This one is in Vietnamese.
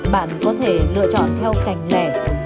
bạn có thể lựa chọn theo kẻ thích